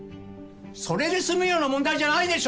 それで済むような問題じゃないでしょう！